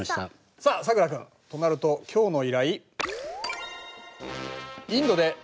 さあさくら君となると今日の依頼。